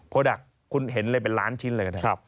ดักต์คุณเห็นเลยเป็นล้านชิ้นเลยนะครับ